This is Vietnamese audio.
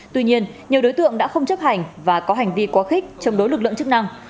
tuy nhiên nhiều đối tượng đã không chấp hành và có hành vi quá khích chống đối lực lượng chức năng